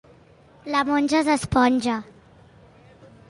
La monja s'esponja.